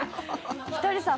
ひとりさん